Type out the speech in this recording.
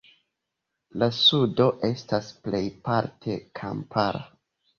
La sudo estas plejparte kampara.